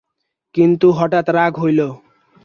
কিন্তু হঠাৎ রাগ হইল।